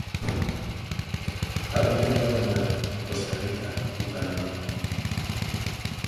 Habita en Guatemala, Costa Rica y Panamá.